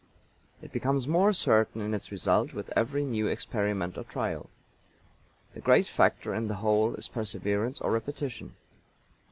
It becomes more certain in its result with every new experiment or trial. The great factor in the whole is perseverance or repetition.